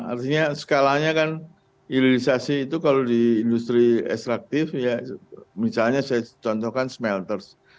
artinya skalanya kan hilirisasi itu kalau di industri ekstraktif ya misalnya saya contohkan smelters